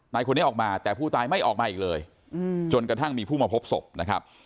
นายคนนี้ออกมาแต่ผู้ตายไม่ออกมาอีกเลยจนกระทั่งมีผู้มาพบศพนะครับ